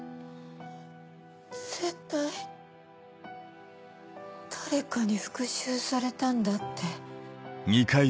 絶対誰かに復讐されたんだって。